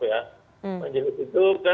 saya kira itu majelis berikutnya berutup ya